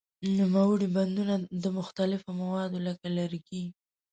نوموړي بندونه د مختلفو موادو لکه لرګي.